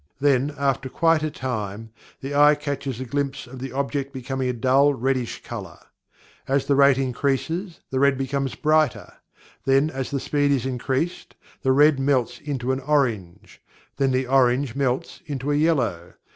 Then after quite a time the eye catches a glimpse of the object becoming a dull dark reddish color. As the rate increases, the red becomes brighter. Then as the speed is increased, the red melts into an orange. Then the orange melts into a yellow.